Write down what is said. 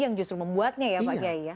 yang justru membuatnya ya pak jaya